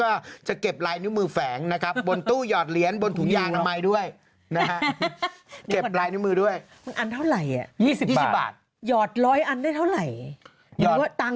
โอเคนะครับเดี๋ยวบริเวณก่อนแล้วกัน